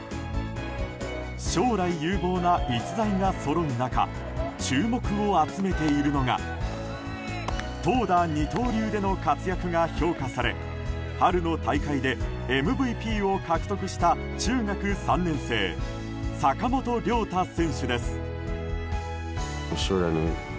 将来有望な逸材がそろう中注目を集めているのが投打二刀流での活躍が評価され春の大会でＭＶＰを獲得した中学３年生坂本亮太選手です。